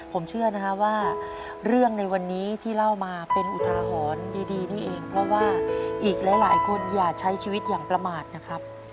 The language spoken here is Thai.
ผมเชื่อนะฮะว่าเรื่องในวันนี้ที่เล่ามาเป็นอุทาหรณ์ดีนี่เองเพราะว่าอีกหลายคนอย่าใช้ชีวิตอย่างประมาทนะครับ